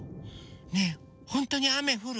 ねえほんとにあめふる？